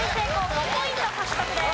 ５ポイント獲得です。